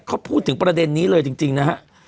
เขาพูดถึงประเด็นนี้เลยจริงนะฮะ